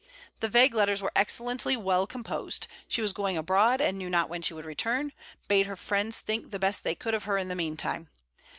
The vague letters were excellently well composed: she was going abroad, and knew not when she would return; bade her friends think the best they could of her in the meantime.